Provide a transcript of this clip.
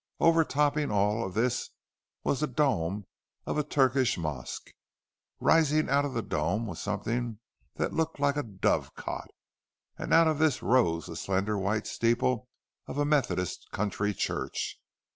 Overtopping all of this was the dome of a Turkish mosque. Rising out of the dome was something that looked like a dove cot; and out of this rose the slender white steeple of a Methodist country church.